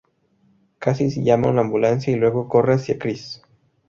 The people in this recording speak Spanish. Cassie llama a una ambulancia y luego corre hacia Chris.